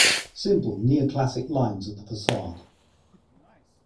Simple neo-classic lines of the facade.